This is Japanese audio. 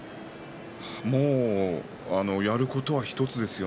もうやることは１つです。